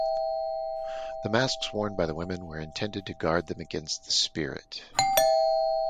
The masks worn by the women were intended to guard them against the spirit.